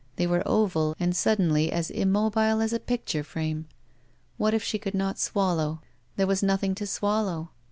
They were oval and suddenly immobile as a picture frame. What if she could not swallow. There was nothing to swallow!